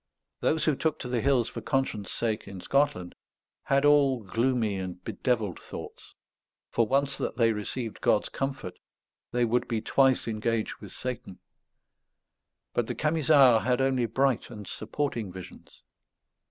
Those who took to the hills for conscience' sake in Scotland had all gloomy and bedevilled thoughts; for once that they received God's comfort they would be twice engaged with Satan; but the Camisards had only bright and supporting visions.